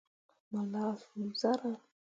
Mo lah suu zarah.